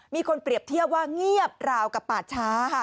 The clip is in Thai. มีคนเปรียบเทียบเงียบราวกับปาชช้า